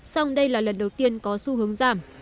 song đây là lần đầu tiên có xu hướng giảm